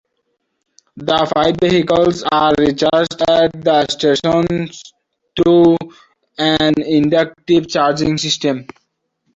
The five vehicles are recharged at the station through an inductive charging system.